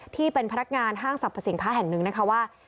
ที่เป็นพนักงานห้างสรรพสินค้าแห่งหนึ่งนะคะว่า